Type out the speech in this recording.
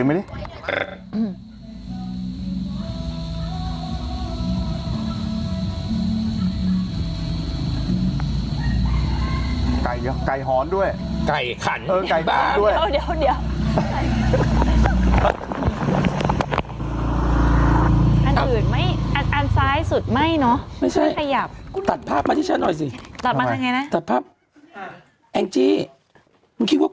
อยากเอามาเจียว